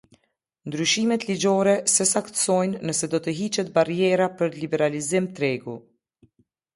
Ndryshimet ligjore s'e saktësojnë nëse do të hiqet barriera për liberalizim tregu.